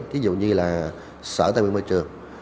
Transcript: ví dụ như sở tài nguyên môi trường